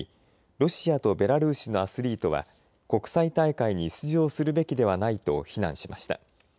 ロシアとベラルーシのアスリートは国際大会に出場するべきではないと非難しました。